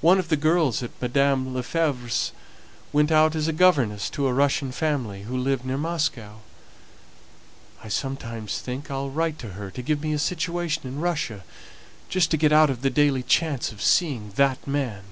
One of the girls at Madame Lefevre's went out as a governess to a Russian family, who lived near Moscow. I sometimes think I'll write to her to find me a situation in Russia, just to get out of the daily chance of seeing that man!"